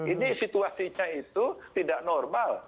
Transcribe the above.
ini situasinya itu tidak normal